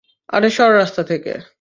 আরে সর রাস্তা থেকে!